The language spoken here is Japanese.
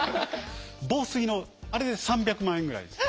防水のあれで３００万円ぐらいです。